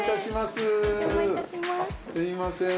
すいません